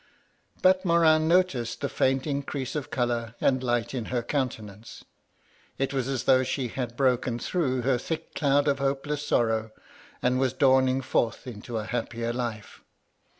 But Morin noticed the faint increase of colour and light in her countenance. It was as though she had broken through her thick cloud of hopeless sorrow, and was dawning forth into a happier life.